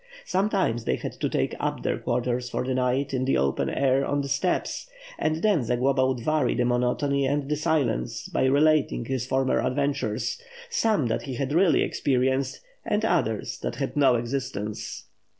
Sometimes, they had to take up their quarters for the night in the open air on the steppes; and then Zagloba would vary the monotony and the silence by relating his former adventures, some that he had really experienced and others that had no existence.